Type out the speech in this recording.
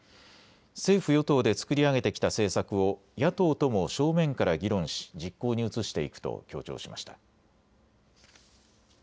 政府与党で作り上げてきた政策を野党とも正面から議論し実行に移していくと強調しました。